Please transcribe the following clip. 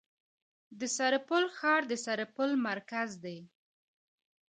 د سرپل ښار د سرپل مرکز دی